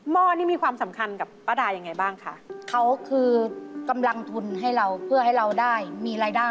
หม้อป๊าดานี่ก็ดำอยู่เหมือนกัน